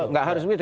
nggak harus gitu